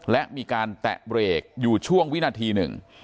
และมีการแตะเบรกอยู่ช่วงวินาทีหนึ่ง